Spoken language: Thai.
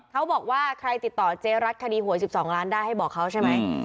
เขาบอกว่าใครติดต่อเจ๊รัสคดีหัว๑๒ล้านเขาใช่ไหม